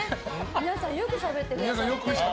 皆さんよくしゃべってくれて。